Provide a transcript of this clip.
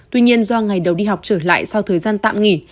tuy nhiên do ngày đầu đi học trở lại sau thời gian tạm nghỉ